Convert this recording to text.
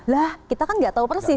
lah kita kan gak tau persis